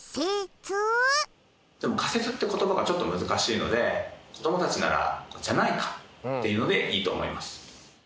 仮説って言葉がちょっと難しいので子供たちなら「じゃないか？」っていうのでいいと思います。